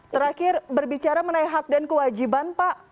terakhir berbicara mengenai hak dan kewajiban pak